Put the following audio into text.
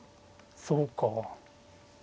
そうか。